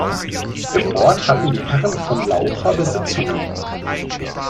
Im Ort hatten die Herren von Laucha Besitzungen.